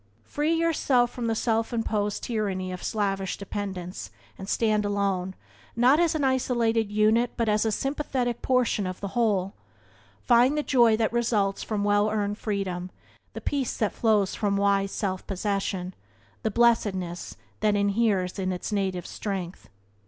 Free yourself from the self imposed tyranny of slavish dependence, and stand alone, not as an isolated unit, but as a sympathetic portion of the whole. Find the Joy that results from well earned freedom, the peace that flows from wise self possession, the blessedness that inheres in native strength.